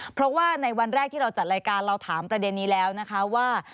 เพราะว่าในวันแรกที่เราจัดรายการเราถามประเด็นนี้แล้วนะคะว่า